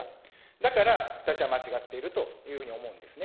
だから、私は間違っているというふうに思うんですね。